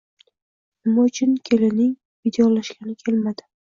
Nima uchun kelining vidolashgani kelmadi